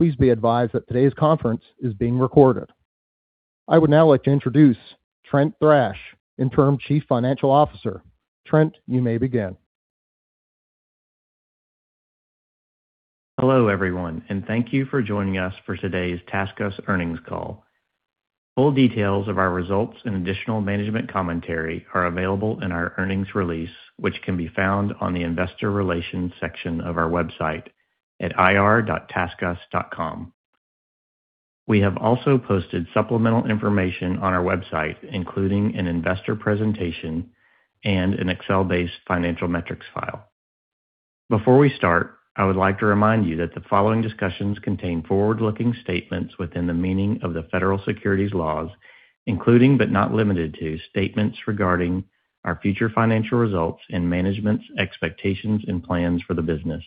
I would now like to introduce Trent Thrash, Interim Chief Financial Officer. Trent, you may begin. Hello, everyone, and thank you for joining us for today's TaskUs earnings call. Full details of our results and additional management commentary are available in our earnings release, which can be found on the investor relations section of our website at ir.taskus.com. We have also posted supplemental information on our website, including an investor presentation and an Excel-based financial metrics file. Before we start, I would like to remind you that the following discussions contain forward-looking statements within the meaning of the Federal Securities Laws, including, but not limited to, statements regarding our future financial results and management's expectations and plans for the business.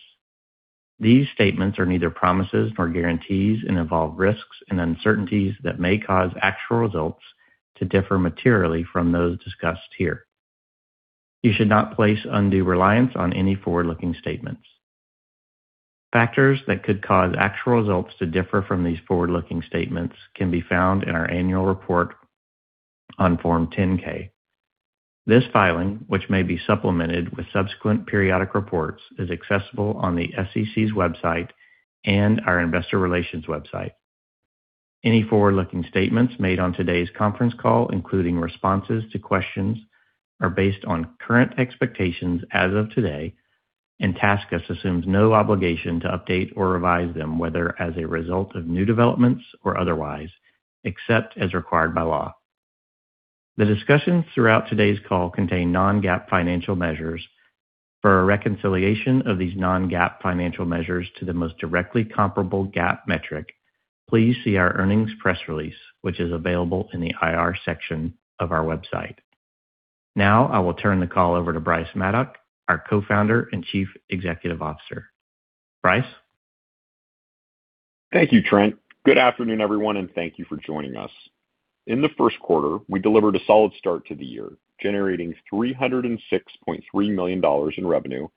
These statements are neither promises nor guarantees and involve risks and uncertainties that may cause actual results to differ materially from those discussed here. You should not place undue reliance on any forward-looking statements. Factors that could cause actual results to differ from these forward-looking statements can be found in our annual report on Form 10-K. This filing, which may be supplemented with subsequent periodic reports, is accessible on the SEC's website and our investor relations website. Any forward-looking statements made on today's conference call, including responses to questions, are based on current expectations as of today, and TaskUs assumes no obligation to update or revise them, whether as a result of new developments or otherwise, except as required by law. The discussions throughout today's call contain non-GAAP financial measures. For a reconciliation of these non-GAAP financial measures to the most directly comparable GAAP metric, please see our earnings press release, which is available in the IR section of our website. Now, I will turn the call over to Bryce Maddock, our Co-founder and Chief Executive Officer. Bryce. Thank you, Trent. Good afternoon, everyone, and thank you for joining us. In the first quarter, we delivered a solid start to the year, generating $306.3 million in revenue,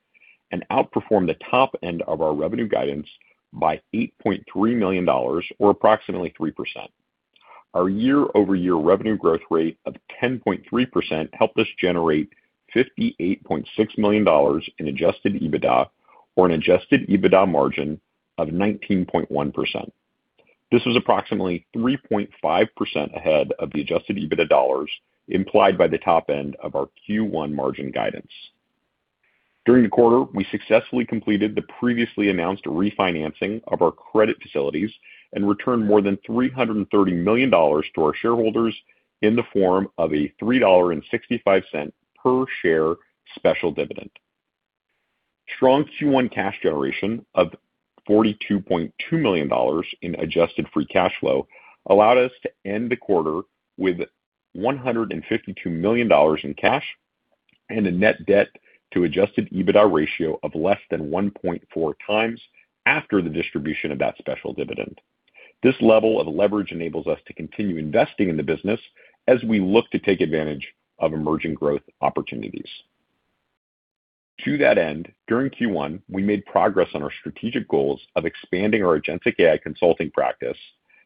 and outperformed the top end of our revenue guidance by $8.3 million or approximately 3%. Our year-over-year revenue growth rate of 10.3% helped us generate $58.6 million in adjusted EBITDA or an adjusted EBITDA margin of 19.1%. This was approximately 3.5 ahead of the adjusted EBITDA dollars implied by the top end of our Q1 margin guidance. During the quarter, we successfully completed the previously announced refinancing of our credit facilities and returned more than $330 million to our shareholders in the form of a $3.65 per share special dividend. Strong Q1 cash generation of $42.2 million in adjusted free cash flow allowed us to end the quarter with $152 million in cash and a net debt to adjusted EBITDA ratio of less than 1.4x after the distribution of that special dividend. This level of leverage enables us to continue investing in the business as we look to take advantage of emerging growth opportunities. To that end, during Q1, we made progress on our strategic goals of expanding our agentic AI consulting practice,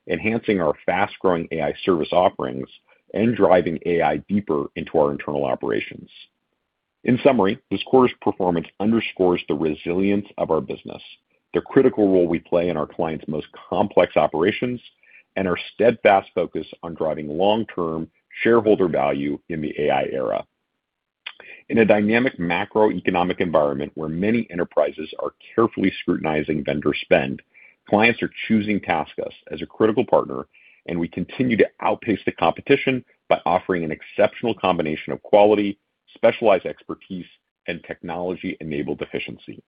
enhancing our fast-growing AI service offerings, and driving AI deeper into our internal operations. In summary, this quarter's performance underscores the resilience of our business, the critical role we play in our clients' most complex operations, and our steadfast focus on driving long-term shareholder value in the AI era. In a dynamic macroeconomic environment where many enterprises are carefully scrutinizing vendor spend, clients are choosing TaskUs as a critical partner, and we continue to outpace the competition by offering an exceptional combination of quality, specialized expertise, and technology-enabled efficiency.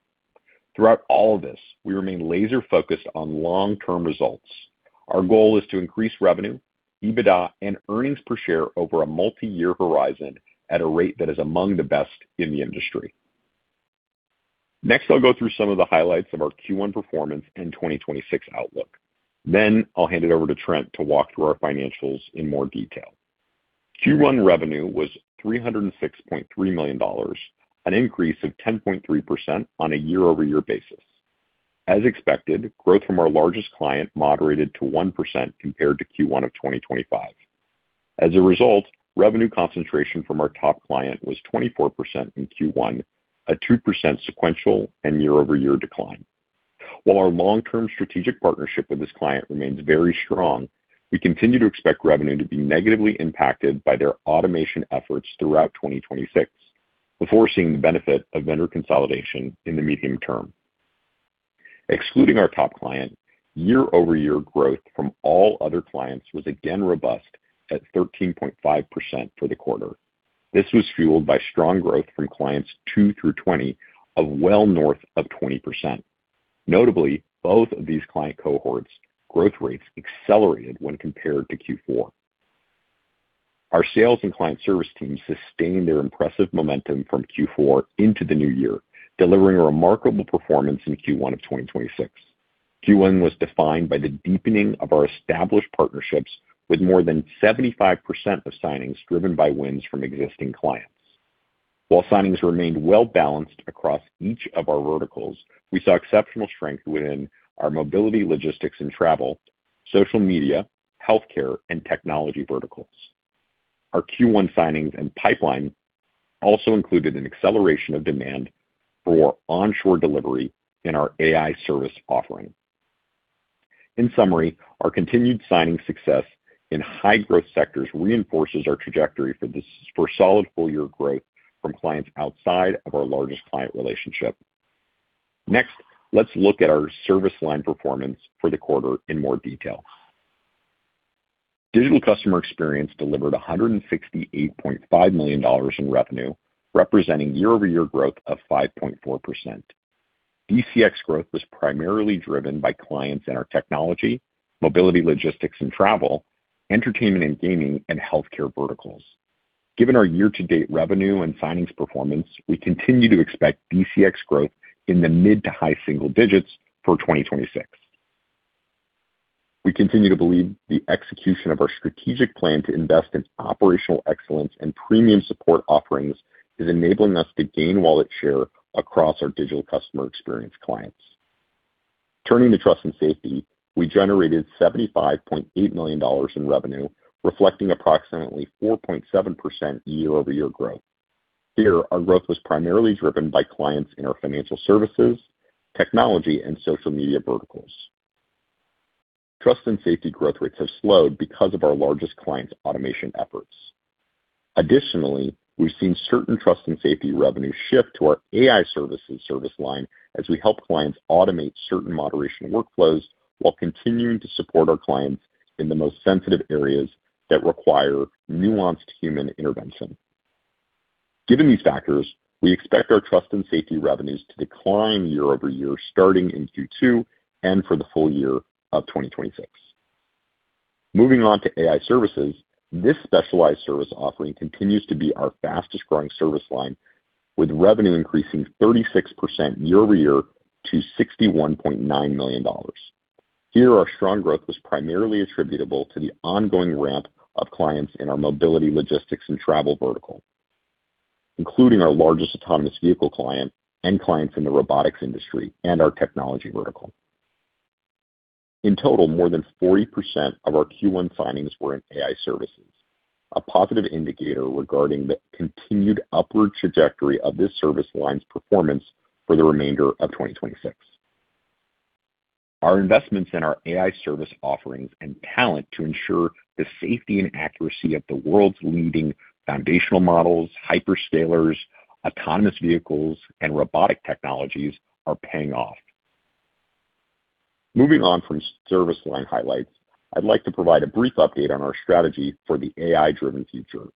Throughout all of this, we remain laser-focused on long-term results. Our goal is to increase revenue, EBITDA, and earnings per share over a multi-year horizon at a rate that is among the best in the industry. Next, I'll go through some of the highlights of our Q1 performance and 2026 outlook. I'll hand it over to Trent to walk through our financials in more detail. Q1 revenue was $306.3 million, an increase of 10.3% on a year-over-year basis. As expected, growth from our largest client moderated to 1% compared to Q1 of 2025. As a result, revenue concentration from our top client was 24% in Q1, a 2% sequential and year-over-year decline. While our long-term strategic partnership with this client remains very strong, we continue to expect revenue to be negatively impacted by their automation efforts throughout 2026 before seeing the benefit of vendor consolidation in the medium term. Excluding our top client, year-over-year growth from all other clients was again robust at 13.5% for the quarter. This was fueled by strong growth from clients two through 20 of well north of 20%. Notably, both of these client cohorts' growth rates accelerated when compared to Q4. Our sales and client service teams sustained their impressive momentum from Q4 into the new year, delivering a remarkable performance in Q1 of 2026. Q1 was defined by the deepening of our established partnerships with more than 75% of signings driven by wins from existing clients. While signings remained well balanced across each of our verticals, we saw exceptional strength within our mobility, logistics, and travel, social media, healthcare, and technology verticals. Our Q1 signings and pipeline also included an acceleration of demand for onshore delivery in our AI Services offering. In summary, our continued signing success in high-growth sectors reinforces our trajectory for solid full-year growth from clients outside of our largest client relationship. Let's look at our service line performance for the quarter in more detail. Digital Customer Experience delivered $168.5 million in revenue, representing year-over-year growth of 5.4%. DCX growth was primarily driven by clients in our technology, mobility, logistics, and travel, entertainment and gaming, and healthcare verticals. Given our year-to-date revenue and signings performance, we continue to expect DCX growth in the mid to high single digits for 2026. We continue to believe the execution of our strategic plan to invest in operational excellence and premium support offerings is enabling us to gain wallet share across our Digital Customer Experience clients. Turning to Trust & Safety, we generated $75.8 million in revenue, reflecting approximately 4.7% year-over-year growth. Here, our growth was primarily driven by clients in our financial services, technology, and social media verticals. Trust & Safety growth rates have slowed because of our largest client's automation efforts. Additionally, we've seen certain Trust & Safety revenues shift to our AI Services service line as we help clients automate certain moderation workflows while continuing to support our clients in the most sensitive areas that require nuanced human intervention. Given these factors, we expect our Trust & Safety revenues to decline year-over-year starting in Q2 and for the full year of 2026. Moving on to AI Services, this specialized service offering continues to be our fastest-growing service line, with revenue increasing 36% year-over-year to $61.9 million. Here, our strong growth was primarily attributable to the ongoing ramp of clients in our mobility, logistics, and travel vertical, including our largest autonomous vehicle client and clients in the robotics industry and our technology vertical. In total, more than 40% of our Q1 signings were in AI Services, a positive indicator regarding the continued upward trajectory of this service line's performance for the remainder of 2026. Our investments in our AI service offerings and talent to ensure the safety and accuracy of the world's leading foundational models, hyperscalers, autonomous vehicles, and robotic technologies are paying off. Moving on from service line highlights, I'd like to provide a brief update on our strategy for the AI-driven future.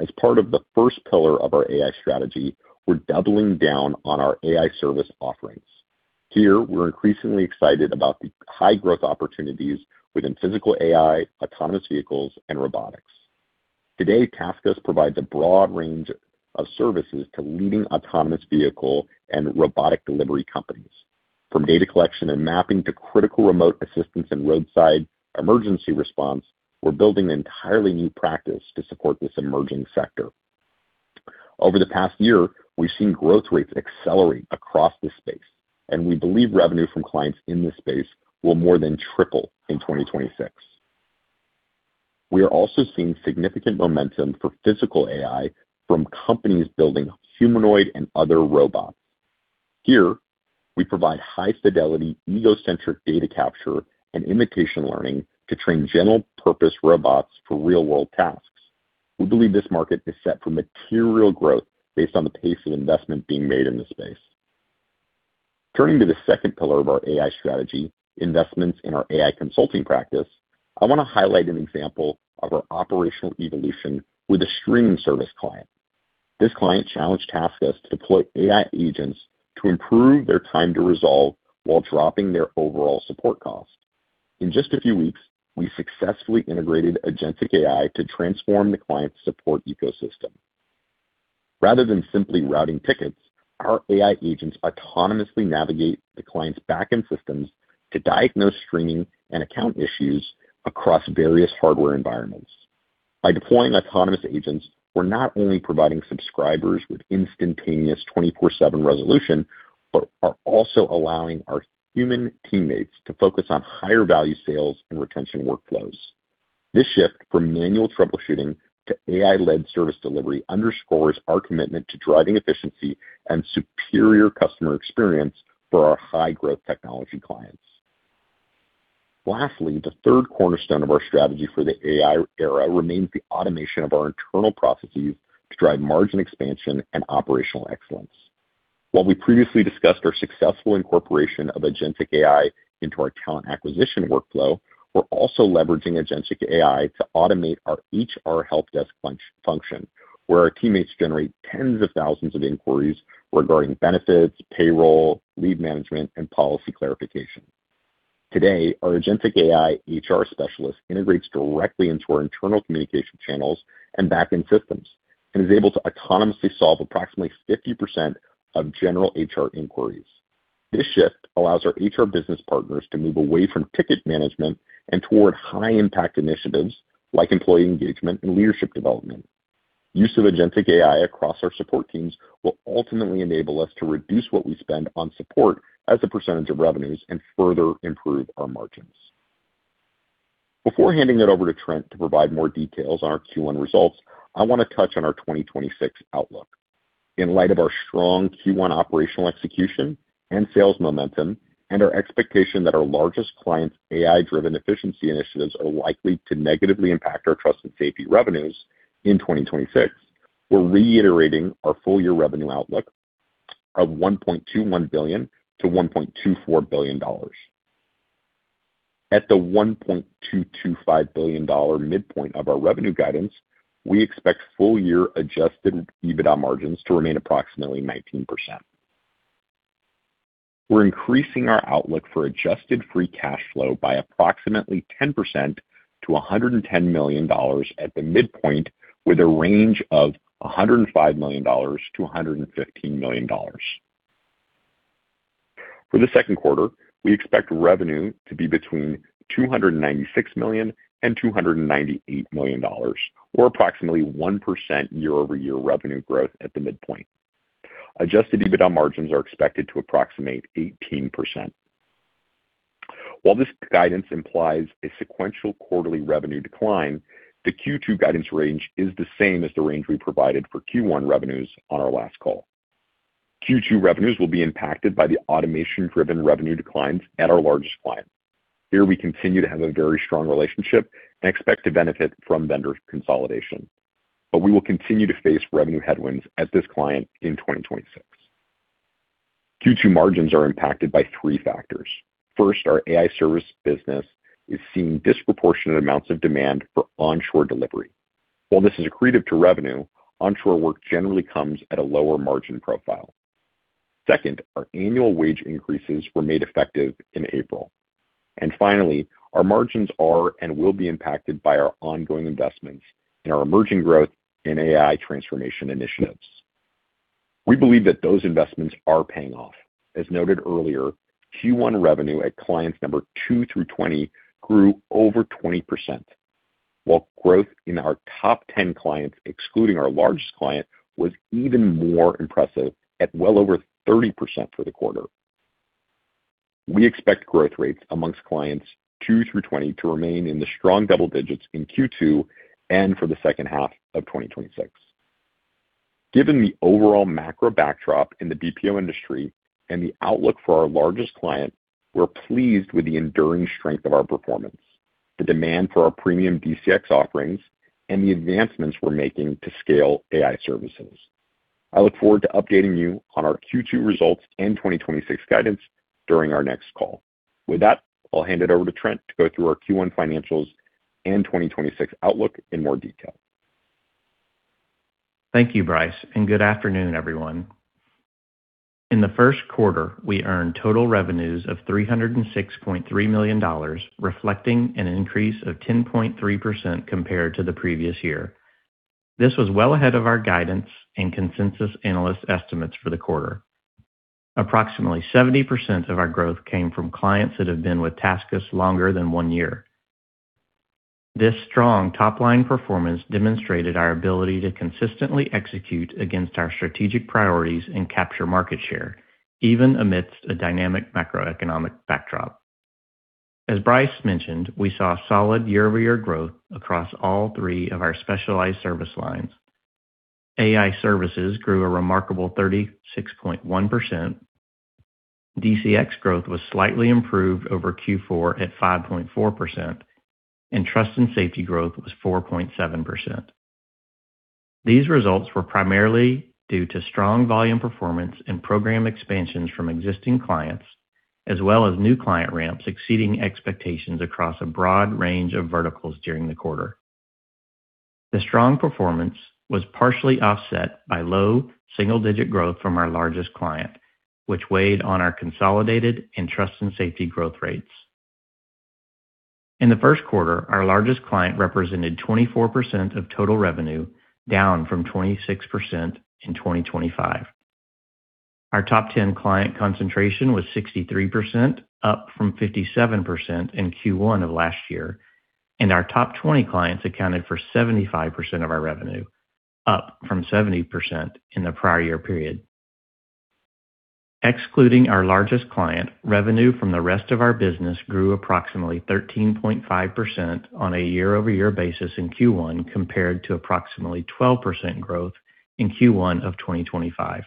As part of the first pillar of our AI strategy, we're doubling down on our AI service offerings. Here, we're increasingly excited about the high-growth opportunities within physical AI, autonomous vehicles, and robotics. Today, TaskUs provides a broad range of services to leading autonomous vehicle and robotic delivery companies. From data collection and mapping to critical remote assistance and roadside emergency response, we're building an entirely new practice to support this emerging sector. Over the past year, we've seen growth rates accelerate across this space, and we believe revenue from clients in this space will more than triple in 2026. We are also seeing significant momentum for physical AI from companies building humanoid and other robots. Here, we provide high-fidelity egocentric data capture and imitation learning to train general-purpose robots for real-world tasks. We believe this market is set for material growth based on the pace of investment being made in this space. Turning to the second pillar of our AI strategy, investments in our AI consulting practice, I wanna highlight an example of our operational evolution with a streaming service client. This client challenged TaskUs to deploy AI agents to improve their time to resolve while dropping their overall support cost. In just a few weeks, we successfully integrated agentic AI to transform the client's support ecosystem. Rather than simply routing tickets, our AI agents autonomously navigate the client's back-end systems to diagnose streaming and account issues across various hardware environments. By deploying autonomous agents, we're not only providing subscribers with instantaneous 24/7 resolution but are also allowing our human teammates to focus on higher-value sales and retention workflows. This shift from manual troubleshooting to AI-led service delivery underscores our commitment to driving efficiency and superior customer experience for our high-growth technology clients. Lastly, the third cornerstone of our strategy for the AI era remains the automation of our internal processes to drive margin expansion and operational excellence. While we previously discussed our successful incorporation of agentic AI into our talent acquisition workflow, we're also leveraging agentic AI to automate our HR help desk function, where our teammates generate tens of thousands of inquiries regarding benefits, payroll, leave management, and policy clarification. Today, our agentic AI HR specialist integrates directly into our internal communication channels and back-end systems and is able to autonomously solve approximately 50% of general HR inquiries. This shift allows our HR business partners to move away from ticket management and toward high-impact initiatives like employee engagement and leadership development. Use of agentic AI across our support teams will ultimately enable us to reduce what we spend on support as a % of revenues and further improve our margins. Before handing it over to Trent to provide more details on our Q1 results, I wanna touch on our 2026 outlook. In light of our strong Q1 operational execution and sales momentum, and our expectation that our largest clients' AI-driven efficiency initiatives are likely to negatively impact our Trust & Safety revenues in 2026, we're reiterating our full year revenue outlook of $1.21 billion-$1.24 billion. At the $1.225 billion midpoint of our revenue guidance, we expect full year adjusted EBITDA margins to remain approximately 19%. We're increasing our outlook for adjusted free cash flow by approximately 10% to $110 million at the midpoint, with a range of $105 million-$115 million. For the second quarter, we expect revenue to be between $296 million and $298 million or approximately 1% year-over-year revenue growth at the midpoint. Adjusted EBITDA margins are expected to approximate 18%. While this guidance implies a sequential quarterly revenue decline, the Q2 guidance range is the same as the range we provided for Q1 revenues on our last call. Q2 revenues will be impacted by the automation-driven revenue declines at our largest client. Here we continue to have a very strong relationship and expect to benefit from vendor consolidation. We will continue to face revenue headwinds at this client in 2026. Q2 margins are impacted by three factors. First, our AI Services business is seeing disproportionate amounts of demand for onshore delivery. While this is accretive to revenue, onshore work generally comes at a lower margin profile. Second, our annual wage increases were made effective in April. Finally, our margins are and will be impacted by our ongoing investments in our emerging growth and AI transformation initiatives. We believe that those investments are paying off. As noted earlier, Q1 revenue at clients number two through 20 grew over 20%, while growth in our top 10 clients, excluding our largest client, was even more impressive at well over 30% for the quarter. We expect growth rates amongst clients two through 20 to remain in the strong double digits in Q2 and for the second half of 2026. Given the overall macro backdrop in the BPO industry and the outlook for our largest client, we're pleased with the enduring strength of our performance, the demand for our premium DCX offerings, and the advancements we're making to scale AI Services. I look forward to updating you on our Q2 results and 2026 guidance during our next call. With that, I'll hand it over to Trent to go through our Q1 financials and 2026 outlook in more detail. Thank you, Bryce, and good afternoon, everyone. In the first quarter, we earned total revenues of $306.3 million, reflecting an increase of 10.3% compared to the previous year. This was well ahead of our guidance and consensus analyst estimates for the quarter. Approximately 70% of our growth came from clients that have been with TaskUs longer than one year. This strong top-line performance demonstrated our ability to consistently execute against our strategic priorities and capture market share, even amidst a dynamic macroeconomic backdrop. As Bryce mentioned, we saw solid year-over-year growth across all three of our specialized service lines. AI Services grew a remarkable 36.1%. DCX growth was slightly improved over Q4 at 5.4%, and Trust & Safety growth was 4.7%. These results were primarily due to strong volume performance and program expansions from existing clients, as well as new client ramps exceeding expectations across a broad range of verticals during the quarter. The strong performance was partially offset by low single-digit growth from our largest client, which weighed on our consolidated and Trust & Safety growth rates. In the first quarter, our largest client represented 24% of total revenue, down from 26% in 2025. Our top 10 client concentration was 63%, up from 57% in Q1 of last year, and our top 20 clients accounted for 75% of our revenue, up from 70% in the prior year period. Excluding our largest client, revenue from the rest of our business grew approximately 13.5% on a year-over-year basis in Q1 compared to approximately 12% growth in Q1 of 2025.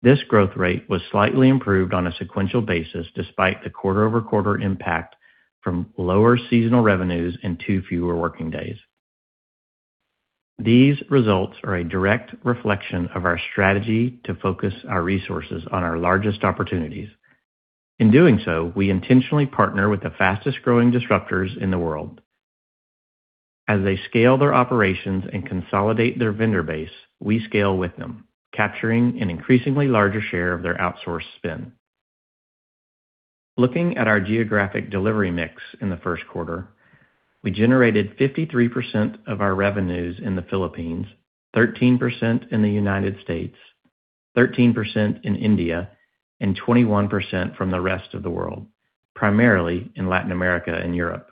This growth rate was slightly improved on a sequential basis despite the quarter-over-quarter impact from lower seasonal revenues and two fewer working days. These results are a direct reflection of our strategy to focus our resources on our largest opportunities. In doing so, we intentionally partner with the fastest-growing disruptors in the world. As they scale their operations and consolidate their vendor base, we scale with them, capturing an increasingly larger share of their outsourced spend. Looking at our geographic delivery mix in the first quarter, we generated 53% of our revenues in the Philippines, 13% in the United States, 13% in India, and 21% from the rest of the world, primarily in Latin America and Europe.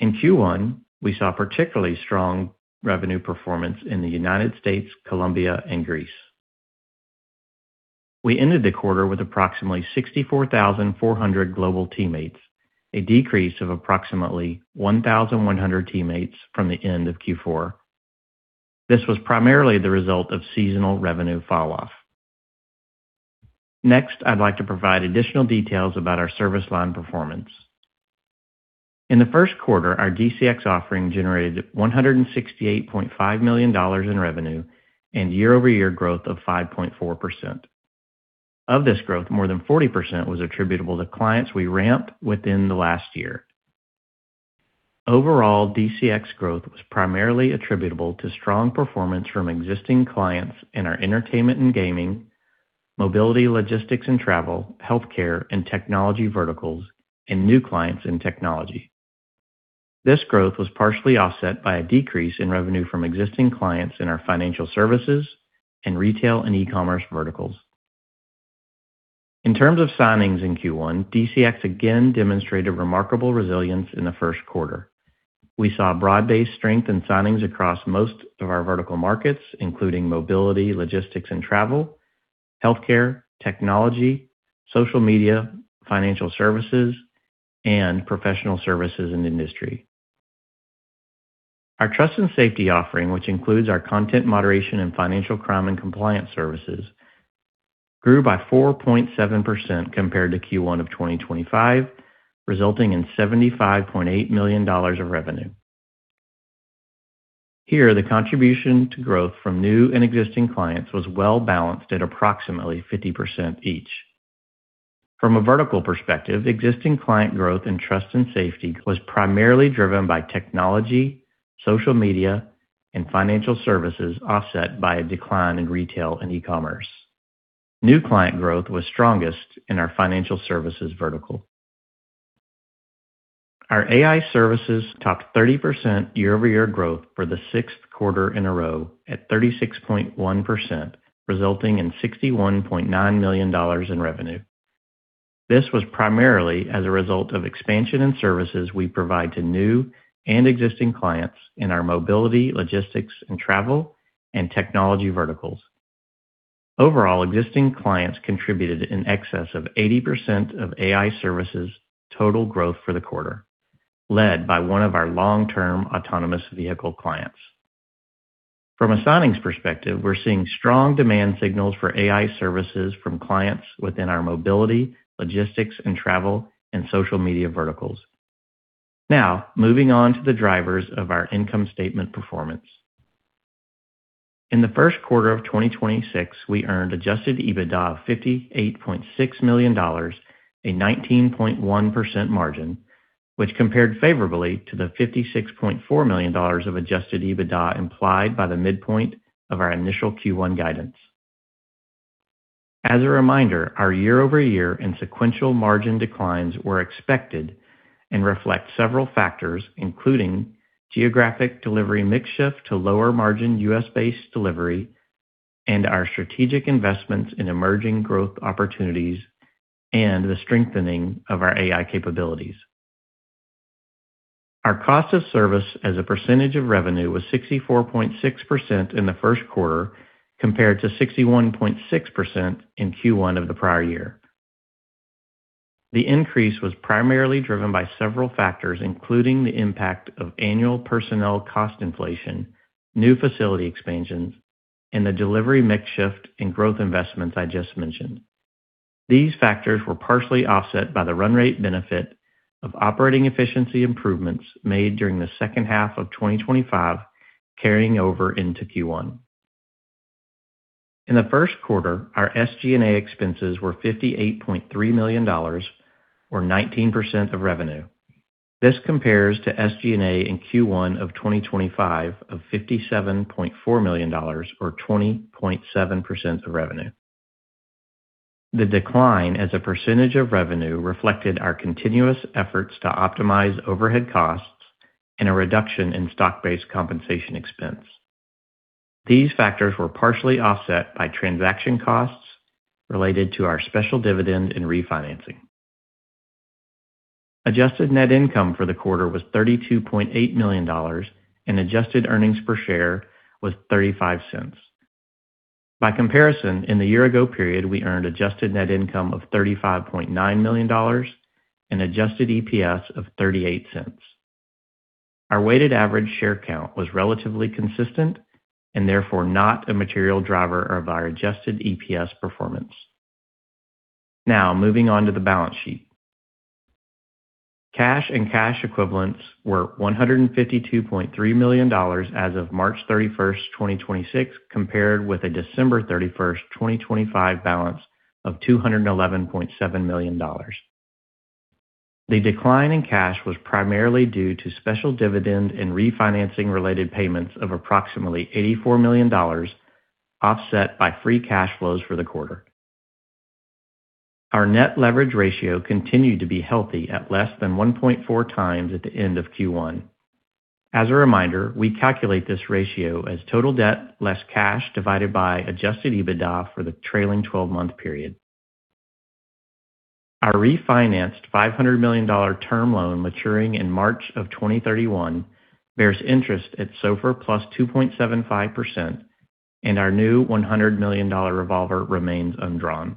In Q1, we saw particularly strong revenue performance in the United States, Colombia, and Greece. We ended the quarter with approximately 64,400 global teammates, a decrease of approximately 1,100 teammates from the end of Q4. This was primarily the result of seasonal revenue falloff. Next, I'd like to provide additional details about our service line performance. In the first quarter, our DCX offering generated $168.5 million in revenue and year-over-year growth of 5.4%. Of this growth, more than 40% was attributable to clients we ramped within the last year. Overall, DCX growth was primarily attributable to strong performance from existing clients in our entertainment and gaming, mobility, logistics and travel, healthcare and technology verticals, and new clients in technology. This growth was partially offset by a decrease in revenue from existing clients in our financial services and retail and e-commerce verticals. In terms of signings in Q1, DCX again demonstrated remarkable resilience in the first quarter. We saw broad-based strength in signings across most of our vertical markets, including mobility, logistics and travel, healthcare, technology, social media, financial services, and professional services and industry. Our Trust & Safety offering, which includes our content moderation and financial crime and compliance services, grew by 4.7% compared to Q1 of 2025, resulting in $75.8 million of revenue. Here, the contribution to growth from new and existing clients was well-balanced at approximately 50% each. From a vertical perspective, existing client growth in Trust & Safety was primarily driven by technology, social media, and financial services offset by a decline in retail and e-commerce. New client growth was strongest in our financial services vertical. Our AI Services topped 30% year-over-year growth for the sixth quarter in a row at 36.1%, resulting in $61.9 million in revenue. This was primarily as a result of expansion in services we provide to new and existing clients in our mobility, logistics and travel, and technology verticals. Overall, existing clients contributed in excess of 80% of AI Services' total growth for the quarter, led by one of our long-term autonomous vehicle clients. From a signings perspective, we're seeing strong demand signals for AI Services from clients within our mobility, logistics and travel, and social media verticals. Moving on to the drivers of our income statement performance. In the first quarter of 2026, we earned adjusted EBITDA of $58.6 million, a 19.1% margin, which compared favorably to the $56.4 million of adjusted EBITDA implied by the midpoint of our initial Q1 guidance. As a reminder, our year-over-year and sequential margin declines were expected and reflect several factors, including geographic delivery mix shift to lower margin U.S.-based delivery and our strategic investments in emerging growth opportunities and the strengthening of our AI capabilities. Our cost of service as a percentage of revenue was 64.6% in the first quarter compared to 61.6% in Q1 of the prior year. The increase was primarily driven by several factors, including the impact of annual personnel cost inflation, new facility expansions, and the delivery mix shift and growth investments I just mentioned. These factors were partially offset by the run rate benefit of operating efficiency improvements made during the second half of 2025 carrying over into Q1. In the first quarter, our SG&A expenses were $58.3 million or 19% of revenue. This compares to SG&A in Q1 of 2025 of $57.4 million or 20.7% of revenue. The decline as a percentage of revenue reflected our continuous efforts to optimize overhead costs and a reduction in stock-based compensation expense. These factors were partially offset by transaction costs related to our special dividend and refinancing. Adjusted net income for the quarter was $32.8 million, and adjusted earnings per share was $0.35. By comparison, in the year-ago period, we earned adjusted net income of $35.9 million and adjusted EPS of $0.38. Our weighted average share count was relatively consistent and therefore not a material driver of our adjusted EPS performance. Now, moving on to the balance sheet. Cash and cash equivalents were $152.3 million as of March 31st, 2026, compared with a December 31st, 2025 balance of $211.7 million. The decline in cash was primarily due to special dividend and refinancing related payments of approximately $84 million, offset by free cash flows for the quarter. Our net leverage ratio continued to be healthy at less than 1.4x at the end of Q1. As a reminder, we calculate this ratio as total debt less cash divided by adjusted EBITDA for the trailing 12-month period. Our refinanced $500 million term loan maturing in March of 2031 bears interest at SOFR plus 2.75%, and our new $100 million revolver remains undrawn.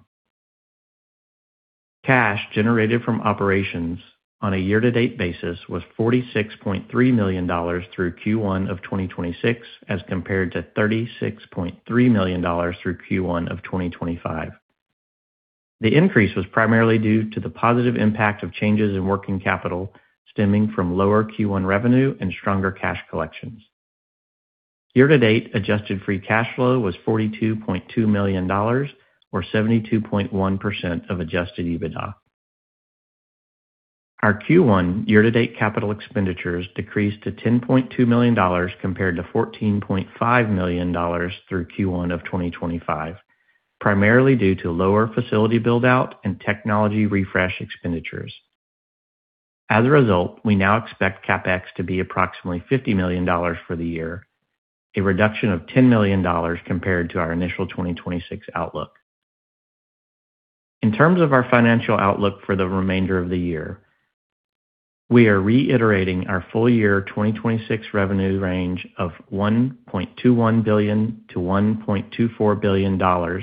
Cash generated from operations on a year-to-date basis was $46.3 million through Q1 of 2026 as compared to $36.3 million through Q1 of 2025. The increase was primarily due to the positive impact of changes in working capital stemming from lower Q1 revenue and stronger cash collections. Year-to-date adjusted free cash flow was $42.2 million or 72.1% of adjusted EBITDA. Our Q1 year-to-date CapEx decreased to $10.2 million compared to $14.5 million through Q1 of 2025, primarily due to lower facility build-out and technology refresh expenditures. As a result, we now expect CapEx to be approximately $50 million for the year, a reduction of $10 million compared to our initial 2026 outlook. In terms of our financial outlook for the remainder of the year, we are reiterating our full year 2026 revenue range of $1.21 billion-$1.24 billion,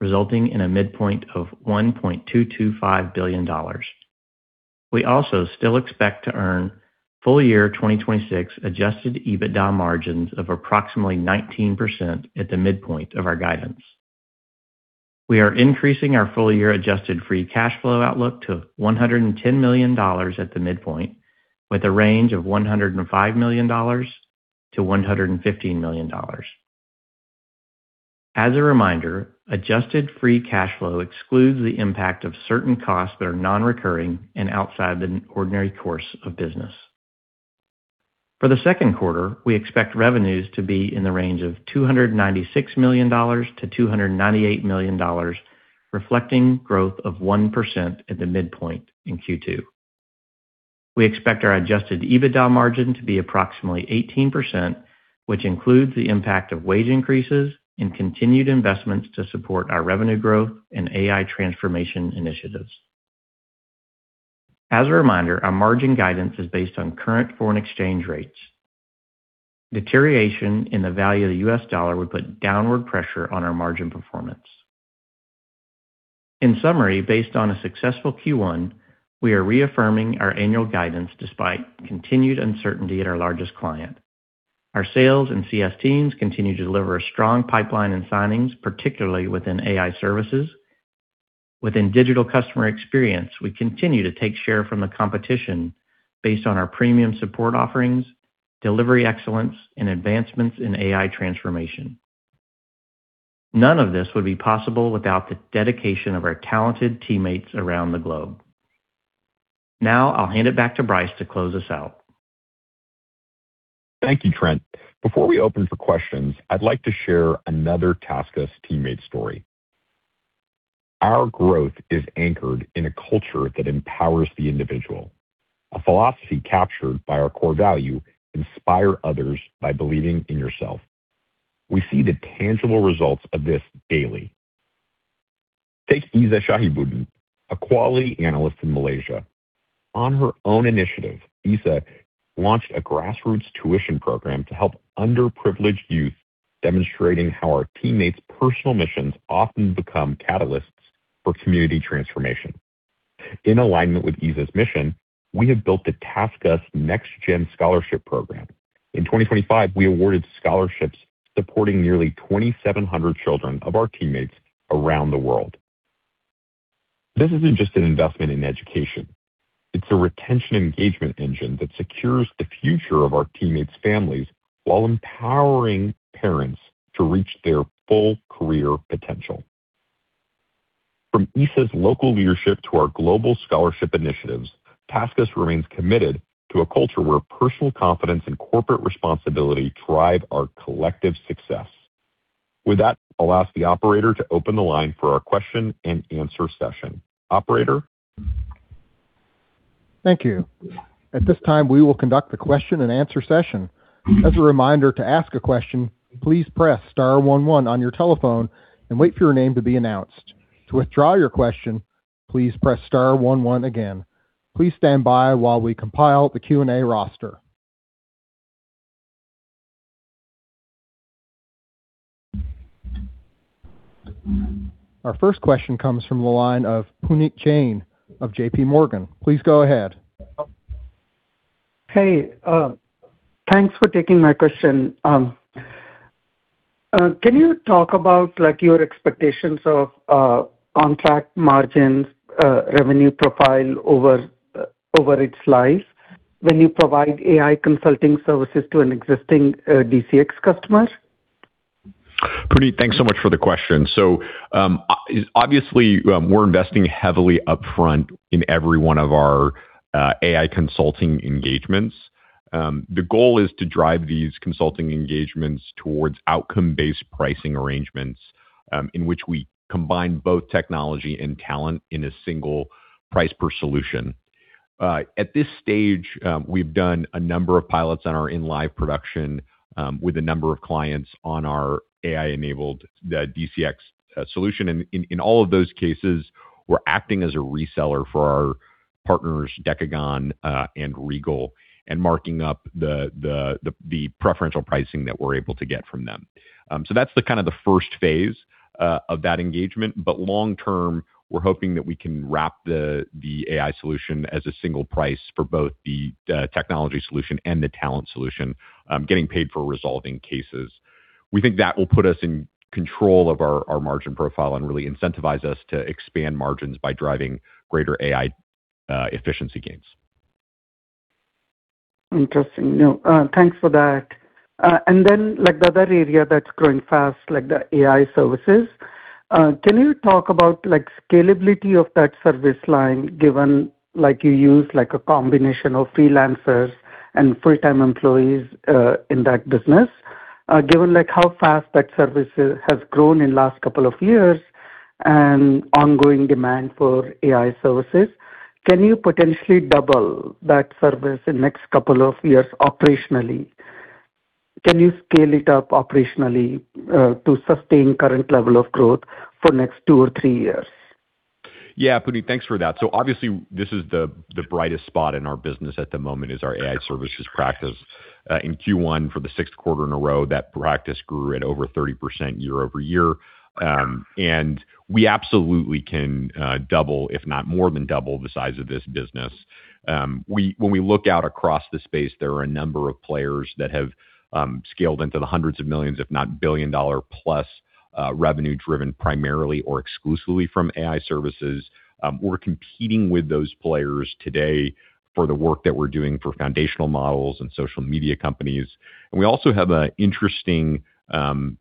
resulting in a midpoint of $1.225 billion. We also still expect to earn full year 2026 adjusted EBITDA margins of approximately 19% at the midpoint of our guidance. We are increasing our full year adjusted free cash flow outlook to $110 million at the midpoint, with a range of $105 million-$115 million. As a reminder, adjusted free cash flow excludes the impact of certain costs that are non-recurring and outside the ordinary course of business. For the second quarter, we expect revenues to be in the range of $296 million-$298 million, reflecting growth of 1% at the midpoint in Q2. We expect our adjusted EBITDA margin to be approximately 18%, which includes the impact of wage increases and continued investments to support our revenue growth and AI transformation initiatives. As a reminder, our margin guidance is based on current foreign exchange rates. Deterioration in the value of the U.S. dollar would put downward pressure on our margin performance. In summary, based on a successful Q1, we are reaffirming our annual guidance despite continued uncertainty at our largest client. Our sales and CS teams continue to deliver a strong pipeline in signings, particularly within AI Services. Within Digital Customer Experience, we continue to take share from the competition based on our premium support offerings, delivery excellence, and advancements in AI transformation. None of this would be possible without the dedication of our talented teammates around the globe. Now I'll hand it back to Bryce to close us out. Thank you, Trent. Before we open for questions, I'd like to share another TaskUs teammate story. Our growth is anchored in a culture that empowers the individual, a philosophy captured by our core value, inspire others by believing in yourself. We see the tangible results of this daily. Take Iza Shahibudin, a quality analyst in Malaysia. On her own initiative, Iza launched a grassroots tuition program to help underprivileged youth, demonstrating how our teammates' personal missions often become catalysts for community transformation. In alignment with Iza's mission, we have built the TaskUs NextGen Scholarship Program. In 2025, we awarded scholarships supporting nearly 2,700 children of our teammates around the world. This isn't just an investment in education. It's a retention engagement engine that secures the future of our teammates' families while empowering parents to reach their full career potential. From Iza's local leadership to our global scholarship initiatives, TaskUs remains committed to a culture where personal confidence and corporate responsibility drive our collective success. With that, I'll ask the operator to open the line for our question-and-answer session. Operator? Thank you. At this time, we will conduct the question-and-answer session. As a reminder, to ask a question, please press star one one on your telephone and wait for your name to be announced. To withdraw your question, please press star one one again. Please stand by while we compile the Q&A roster. Our first question comes from the line of Puneet Jain of JPMorgan. Please go ahead. Hey, thanks for taking my question. Can you talk about like your expectations of contract margins, revenue profile over its life when you provide AI consulting services to an existing DCX customer? Puneet, thanks so much for the question. Obviously, we're investing heavily upfront in every one of our AI consulting engagements. The goal is to drive these consulting engagements towards outcome-based pricing arrangements, in which we combine both technology and talent in a single price per solution. At this stage, we've done a number of pilots and are in live production with a number of clients on our AI-enabled DCX solution. In all of those cases, we're acting as a reseller for our partners, Decagon and Regal, and marking up the preferential pricing that we're able to get from them. That's the kind of first phase of that engagement. Long term, we're hoping that we can wrap the AI solution as a single price for both the technology solution and the talent solution, getting paid for resolving cases. We think that will put us in control of our margin profile and really incentivize us to expand margins by driving greater AI efficiency gains. Interesting. No, thanks for that. Like the other area that's growing fast, like the AI Services, can you talk about like scalability of that service line, given like you use like a combination of freelancers and full-time employees in that business? Given like how fast that service has grown in last couple of years and ongoing demand for AI Services, can you potentially double that service in next couple of years operationally? Can you scale it up operationally to sustain current level of growth for next two or three years? Yeah, Puneet, thanks for that. Obviously, this is the brightest spot in our business at the moment is our AI Services practice. In Q1, for the sixth quarter in a row, that practice grew at over 30% year-over-year. We absolutely can double, if not more than double, the size of this business. When we look out across the space, there are a number of players that have scaled into the hundreds of millions, if not billion-dollar-plus, revenue driven primarily or exclusively from AI Services. We're competing with those players today for the work that we're doing for foundational models and social media companies. We also have an interesting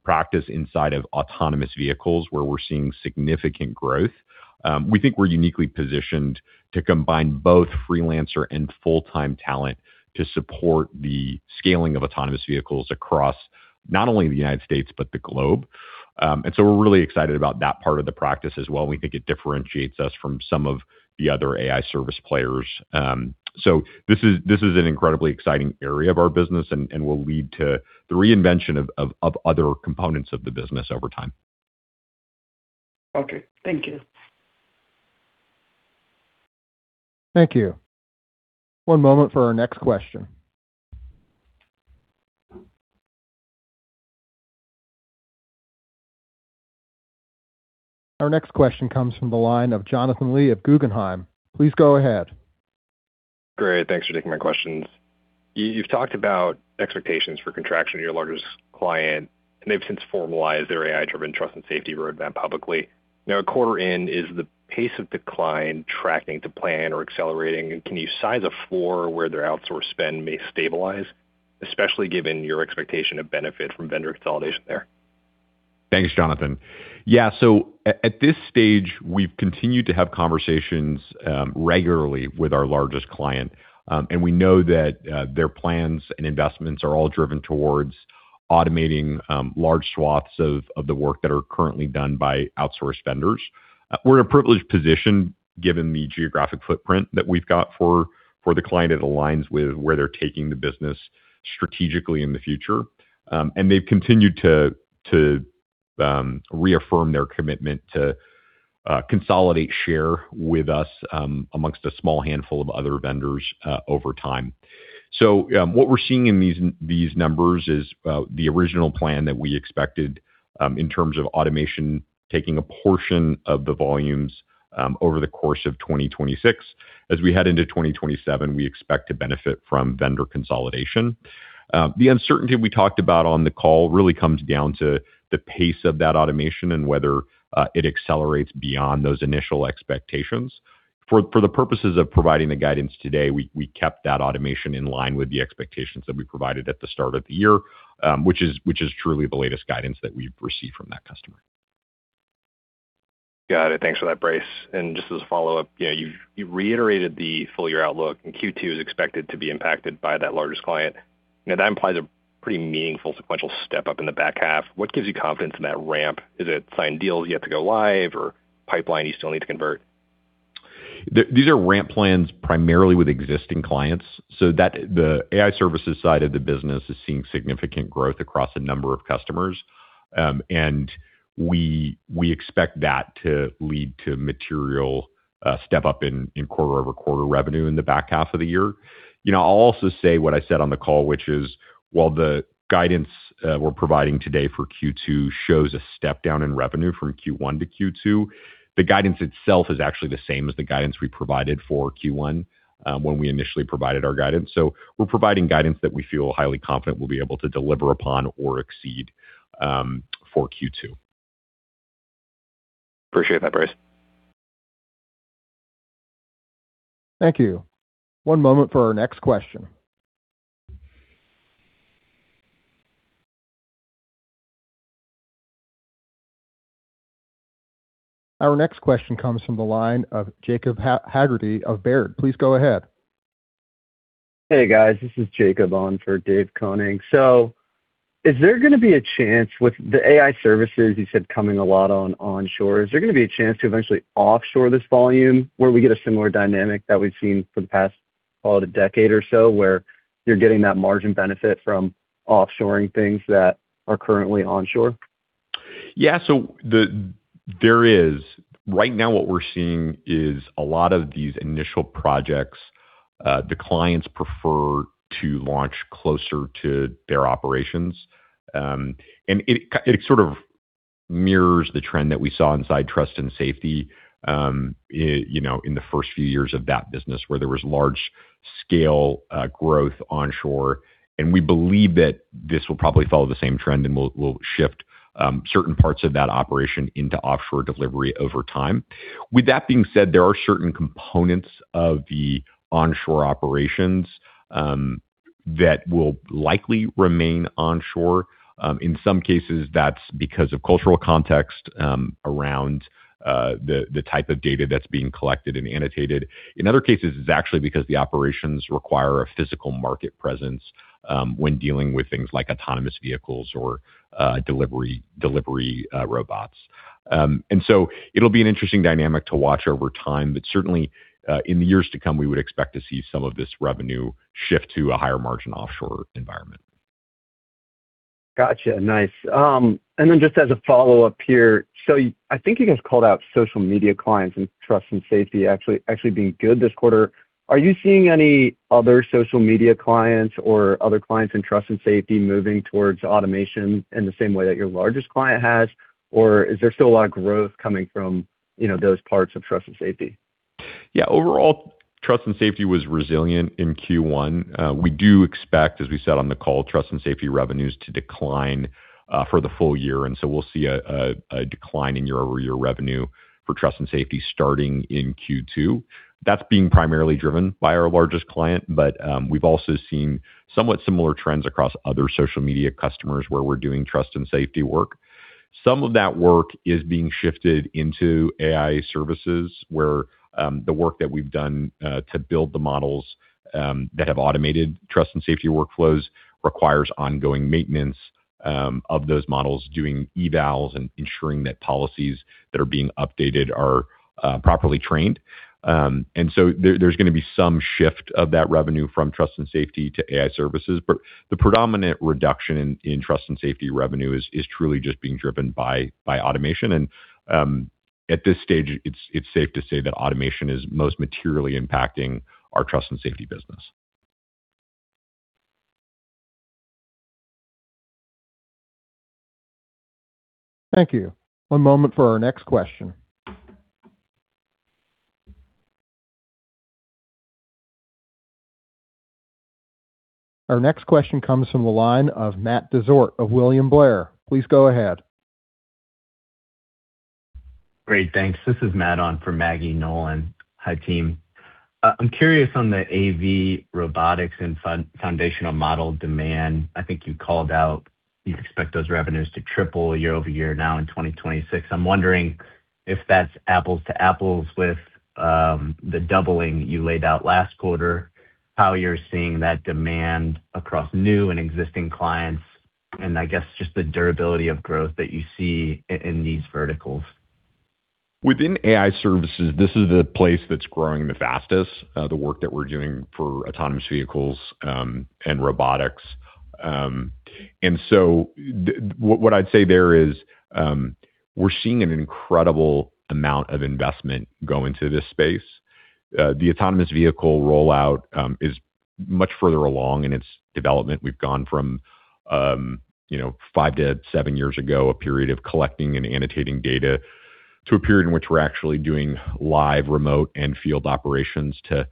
practice inside of autonomous vehicles where we're seeing significant growth. We think we're uniquely positioned to combine both freelancer and full-time talent to support the scaling of autonomous vehicles across not only the United States, but the globe. We're really excited about that part of the practice as well. We think it differentiates us from some of the other AI service players. This is an incredibly exciting area of our business and will lead to the reinvention of other components of the business over time. Okay. Thank you. Thank you. One moment for our next question. Our next question comes from the line of Jonathan Lee of Guggenheim. Please go ahead. Great. Thanks for taking my questions. You've talked about expectations for contraction of your largest client, and they've since formalized their AI-driven Trust & Safety roadmap publicly. Now a quarter in, is the pace of decline tracking to plan or accelerating? And can you size a floor where their outsource spend may stabilize, especially given your expectation of benefit from vendor consolidation there? Thanks, Jonathan. Yeah, so at this stage, we've continued to have conversations regularly with our largest client. We know that their plans and investments are all driven towards automating large swaths of the work that are currently done by outsource vendors. We're in a privileged position given the geographic footprint that we've got for the client. It aligns with where they're taking the business strategically in the future. They've continued to reaffirm their commitment to consolidate share with us among a small handful of other vendors over time. What we're seeing in these numbers is the original plan that we expected in terms of automation taking a portion of the volumes over the course of 2026. As we head into 2027, we expect to benefit from vendor consolidation. The uncertainty we talked about on the call really comes down to the pace of that automation and whether it accelerates beyond those initial expectations. For the purposes of providing the guidance today, we kept that automation in line with the expectations that we provided at the start of the year, which is truly the latest guidance that we've received from that customer. Got it. Thanks for that, Bryce. Just as a follow-up, you know, you reiterated the full year outlook, and Q2 is expected to be impacted by that largest client. Now, that implies a pretty meaningful sequential step-up in the back half. What gives you confidence in that ramp? Is it signed deals you have to go live or pipeline you still need to convert? These are ramp plans primarily with existing clients, so that the AI Services side of the business is seeing significant growth across a number of customers. We expect that to lead to material step-up in quarter-over-quarter revenue in the back half of the year. You know, I'll also say what I said on the call, which is, while the guidance we're providing today for Q2 shows a step down in revenue from Q1 to Q2, the guidance itself is actually the same as the guidance we provided for Q1, when we initially provided our guidance. We're providing guidance that we feel highly confident we'll be able to deliver upon or exceed for Q2. Appreciate that, Bryce. Thank you. One moment for our next question. Our next question comes from the line of Jacob Haggarty of Baird. Please go ahead. Hey, guys. This is Jacob on for Dave Koning. Is there gonna be a chance with the AI Services you said coming a lot on onshore to eventually offshore this volume where we get a similar dynamic that we've seen for the past, call it a decade or so, where you're getting that margin benefit from offshoring things that are currently onshore? There is right now what we're seeing is a lot of these initial projects the clients prefer to launch closer to their operations. It sort of mirrors the trend that we saw inside Trust & Safety, you know, in the first few years of that business where there was large-scale growth onshore. We believe that this will probably follow the same trend, and we'll shift certain parts of that operation into offshore delivery over time. With that being said, there are certain components of the onshore operations that will likely remain onshore. In some cases, that's because of cultural context around the type of data that's being collected and annotated. In other cases, it's actually because the operations require a physical market presence, when dealing with things like autonomous vehicles or delivery robots. It'll be an interesting dynamic to watch over time, but certainly, in the years to come, we would expect to see some of this revenue shift to a higher margin offshore environment. Gotcha. Nice. Just as a follow-up here, so I think you guys called out social media clients and Trust & Safety actually being good this quarter. Are you seeing any other social media clients or other clients in Trust & Safety moving towards automation in the same way that your largest client has? Is there still a lot of growth coming from, you know, those parts of Trust & Safety? Yeah. Overall, Trust & Safety was resilient in Q1. We do expect, as we said on the call, Trust & Safety revenues to decline for the full year, and so we'll see a decline in year-over-year revenue for Trust & Safety starting in Q2. That's being primarily driven by our largest client, but we've also seen somewhat similar trends across other social media customers where we're doing Trust & Safety work. Some of that work is being shifted into AI Services, where the work that we've done to build the models that have automated Trust & Safety workflows requires ongoing maintenance of those models doing evals and ensuring that policies that are being updated are properly trained. There's gonna be some shift of that revenue from Trust & Safety to AI Services. The predominant reduction in Trust & Safety revenue is truly just being driven by automation. At this stage, it's safe to say that automation is most materially impacting our Trust & Safety business. Thank you. One moment for our next question. Our next question comes from the line of Matt Dezort of William Blair. Please go ahead. Great. Thanks. This is Matt on for Maggie Nolan. Hi, team. I'm curious on the AV robotics and foundation model demand. I think you called out you expect those revenues to triple year-over-year now in 2026. I'm wondering if that's apples to apples with the doubling you laid out last quarter, how you're seeing that demand across new and existing clients, and I guess just the durability of growth that you see in these verticals. Within AI Services, this is the place that's growing the fastest, the work that we're doing for autonomous vehicles and robotics. What I'd say there is, we're seeing an incredible amount of investment go into this space. The autonomous vehicle rollout is much further along in its development. We've gone from five to seven years ago, a period of collecting and annotating data, to a period in which we're actually doing live remote and field operations to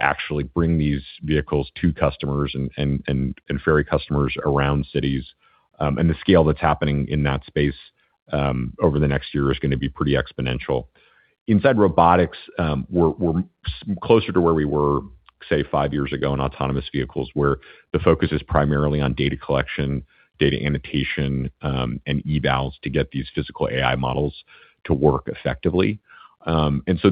actually bring these vehicles to customers and ferry customers around cities. The scale that's happening in that space over the next year is gonna be pretty exponential. Inside robotics, we're closer to where we were, say, five years ago in autonomous vehicles, where the focus is primarily on data collection, data annotation, and evals to get these physical AI models to work effectively.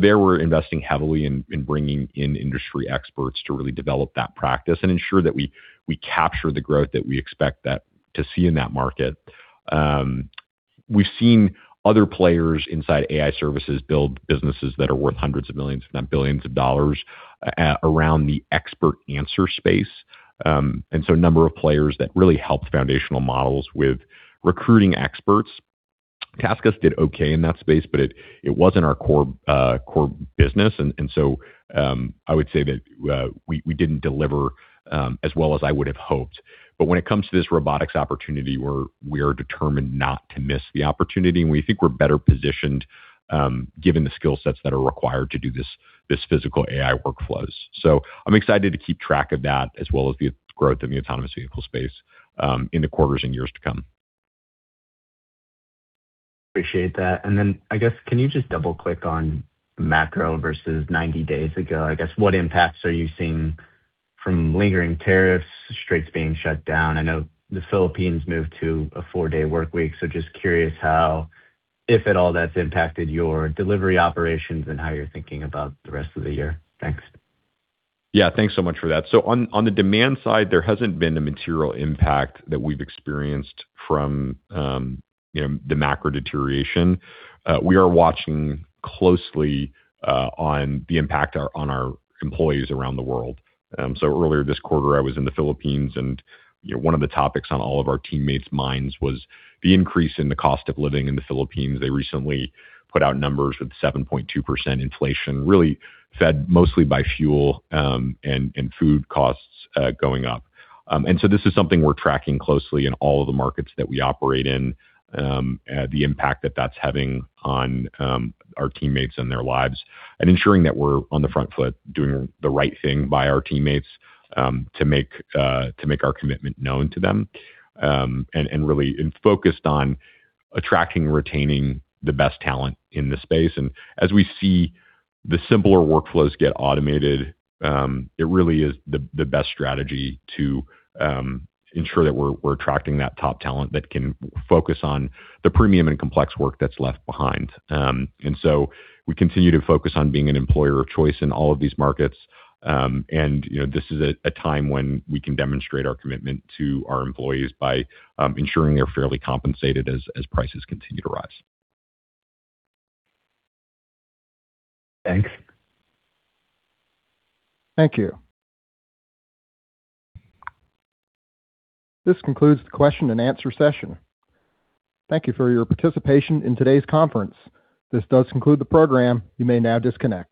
There we're investing heavily in bringing in industry experts to really develop that practice and ensure that we capture the growth that we expect that to see in that market. We've seen other players inside AI Services build businesses that are worth hundreds of millions, if not billions of dollars around the expert answer space. A number of players that really help foundational models with recruiting experts. TaskUs did okay in that space, but it wasn't our core business. I would say that we didn't deliver as well as I would have hoped. When it comes to this robotics opportunity, we are determined not to miss the opportunity, and we think we're better positioned given the skill sets that are required to do this physical AI workflows. I'm excited to keep track of that as well as the growth in the autonomous vehicle space in the quarters and years to come. Appreciate that. I guess can you just double-click on macro versus 90 days ago? I guess what impacts are you seeing from lingering tariffs, straits being shut down? I know the Philippines moved to a four-day workweek, just curious how, if at all, that's impacted your delivery operations and how you're thinking about the rest of the year. Thanks. Yeah, thanks so much for that. On, on the demand side, there hasn't been a material impact that we've experienced from, you know, the macro deterioration. We are watching closely on the impact on our employees around the world. Earlier this quarter, I was in the Philippines, and, you know, one of the topics on all of our teammates' minds was the increase in the cost of living in the Philippines. They recently put out numbers with 7.2% inflation, really fed mostly by fuel, and food costs going up. This is something we're tracking closely in all of the markets that we operate in, the impact that that's having on our teammates and their lives, and ensuring that we're on the front foot doing the right thing by our teammates to make our commitment known to them. Focused on attracting and retaining the best talent in the space. As we see the simpler workflows get automated, it really is the best strategy to ensure that we're attracting that top talent that can focus on the premium and complex work that's left behind. We continue to focus on being an employer of choice in all of these markets. You know, this is a time when we can demonstrate our commitment to our employees by ensuring they're fairly compensated as prices continue to rise. Thanks. Thank you. This concludes the question and answer session. Thank you for your participation in today's conference. This does conclude the program. You may now disconnect.